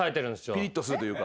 ピリッとするというか。